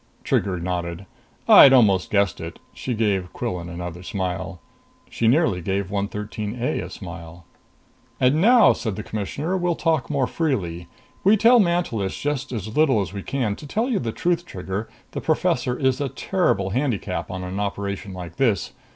Trigger nodded. "I'd almost guessed it!" She gave Quillan another smile. She nearly gave 113 A a smile. "And now," said the Commissioner, "we'll talk more freely. We tell Mantelish just as little as we can. To tell you the truth, Trigger, the professor is a terrible handicap on an operation like this.